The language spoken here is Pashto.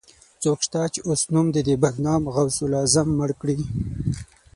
څوک شته، چې اوس نوم د دې بدنام غوث العظم مړ کړي